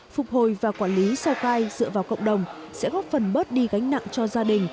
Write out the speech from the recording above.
phục hồi và quản lý sao cai dựa vào cộng đồng sẽ góp phần bớt đi gánh nặng cho gia đình